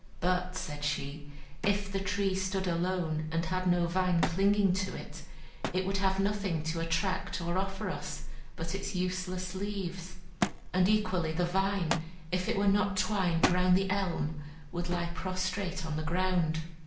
"But," said she, "if the tree stood alone, and had no vine clinging to it, it would have nothing to attract or offer us but its useless leaves. And equally the vine, if it were not twined round the elm, would lie prostrate on the ground.